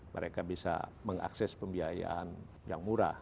mereka bisa mengakses pembiayaan yang murah